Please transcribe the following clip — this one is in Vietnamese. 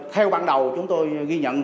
theo ban đầu chúng tôi ghi nhận